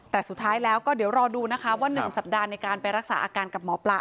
แต่สุดท้ายแล้วก็เดี๋ยวรอดูนะคะว่า๑สัปดาห์ในการไปรักษาอาการกับหมอปลา